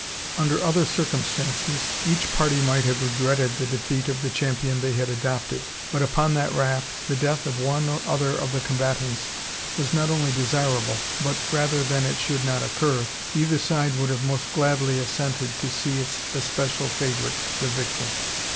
Under other circumstances, each party might have regretted the defeat of the champion they had adopted; but upon that raft, the death of one or other of the combatants was not only desirable; but, rather than it should not occur, either side would have most gladly assented to see its especial favourite the victim.